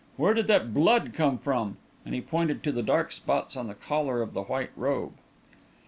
"Where did that blood come from?" and he pointed to the dark spots on the collar of the white robe.